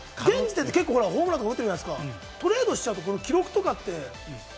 ホームランとか打ってるじゃないですか、トレードしちゃうと、記録とかね。